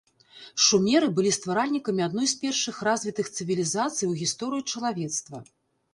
Шумеры былі стваральнікамі адной з першых развітых цывілізацый у гісторыі чалавецтва.